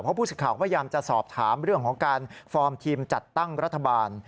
เพราะผู้สิทธิ์ข่าวพยายามจะสอบถามเรื่องของการฟอร์มทีมจัดตั้งรัฐบาล